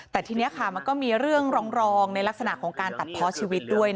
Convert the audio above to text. แต่ทีนี้ค่ะมันก็มีเรื่องรองในลักษณะของการตัดเพาะชีวิตด้วย